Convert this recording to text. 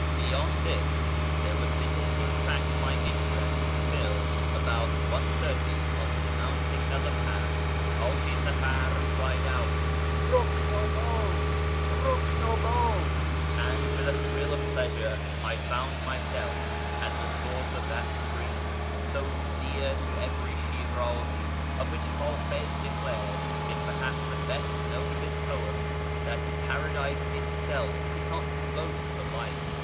Beyond this there was little to attract my interest till, about 1.30, on surmounting another pass, Haji Safar cried out " RuhndhAd ! Rukndhdd !" and, with a thrill of pleasure, I found myself at the source of that stream, so dear to every Shirazi, of which Hafiz declared, in perhaps the best known of his poems, that Paradise itself could not boast the like.